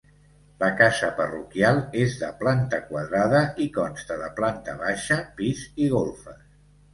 La casa parroquial és de planta quadrada i consta de planta baixa, pis i golfes.